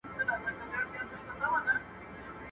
سره ورک یې کړل زامن وروڼه پلرونه.